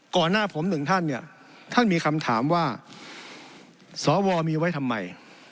หน้าผมหนึ่งท่านเนี่ยท่านมีคำถามว่าสวมีไว้ทำไม